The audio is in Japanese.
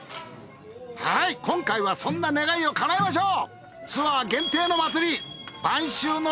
はい今回はそんな願いをかなえましょう。